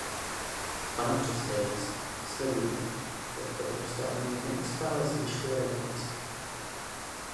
Pane předsedající, sledujte, jak Evropská unie neustále zvyšuje regulaci.